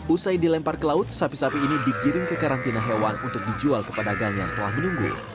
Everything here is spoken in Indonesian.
usai dilempar ke laut sapi sapi ini digiring ke karantina hewan untuk dijual kepada gang yang telah menunggu